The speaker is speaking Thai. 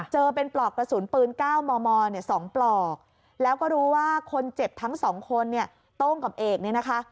เจอเป็นปลอกกระสุนปืน๙มม๒ปลอกแล้วก็รู้ว่าคนเจ็บทั้งสองคนเนี่ยโต้งกับเอกเนี่ยนะคะ